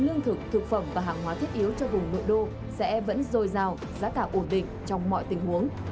lương thực thực phẩm và hàng hóa thiết yếu cho vùng nội đô sẽ vẫn dồi dào giá cả ổn định trong mọi tình huống